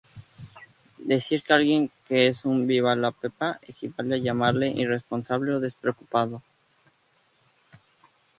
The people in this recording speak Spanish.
Decir de alguien que es un "viva-la-pepa", equivale a llamarle irresponsable o despreocupado.